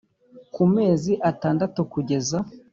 Ku mezi atandatu kugeza